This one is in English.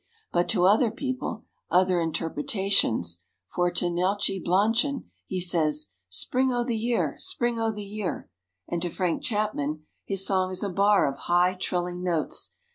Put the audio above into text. But to other people, other interpretations, for to Neltje Blanchan he says "Spring o' the year, spring o' the year," and to Frank Chapman his song is a bar of high, trilling notes.